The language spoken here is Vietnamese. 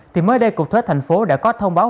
thì mới đây cục thuế thành phố đã có thông báo